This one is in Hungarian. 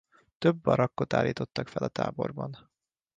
Több barakkot állítottak fel a táborban.